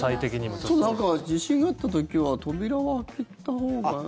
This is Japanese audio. ちょっと地震があった時は扉は開けたほうが。